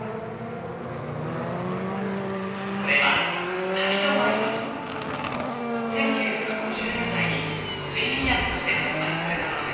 それは１９５０年代に睡眠薬として発売されたものです。